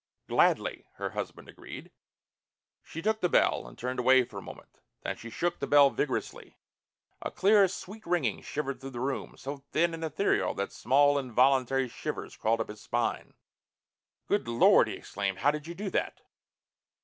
"Gladly," her husband agreed. She took the bell and turned away for a moment. Then she shook the bell vigorously. A clear, sweet ringing shivered through the room so thin and etherial that small involuntary shivers crawled up his spine. "Good Lord!" he exclaimed. "How did you do that?"